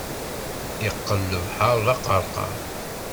Iqqel lebḥeṛ d aqerqar.